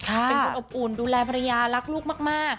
เป็นคนอบอุ่นดูแลภรรยารักลูกมาก